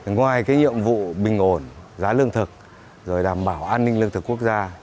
ngoài cái nhiệm vụ bình ổn giá lương thực rồi đảm bảo an ninh lương thực quốc gia